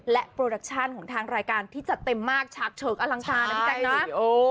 โปรดักชั่นของทางรายการที่จัดเต็มมากฉากเฉิกอลังการนะพี่แจ๊คนะ